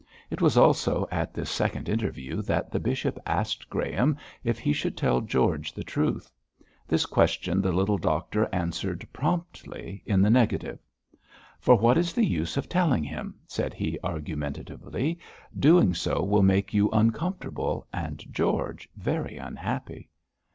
It was also at this second interview that the bishop asked Graham if he should tell George the truth. This question the little doctor answered promptly in the negative. 'For what is the use of telling him?' said he, argumentatively; 'doing so will make you uncomfortable and George very unhappy.'